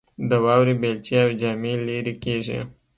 د واورې بیلچې او جامې لیرې کیږي